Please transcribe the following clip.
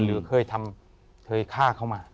หรือเคยทำเคยฆ่าเข้ามา